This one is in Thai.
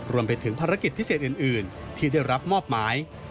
รวมไปถึงภารกิจพิเศษอื่นที่ได้รับมอบหมาย